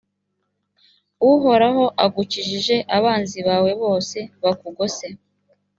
uhoraho agukijije abanzi bawe bose bakugose,